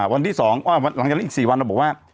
วันที่๒หลังจากนั้นอีก๔วันเราบอกว่า